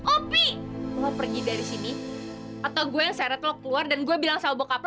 opi lo pergi dari sini atau gue yang seret lo keluar dan gue bilang sama bokap lo